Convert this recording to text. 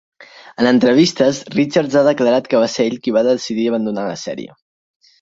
En entrevistes, Richards ha declarat que va ser ell qui va decidir abandonar la sèrie.